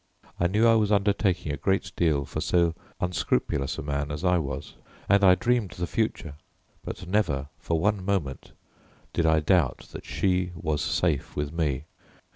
I knew I was undertaking a great deal for so unscrupulous a man as I was, and I dreamed the future, but never for one moment did I doubt that she was safe with me.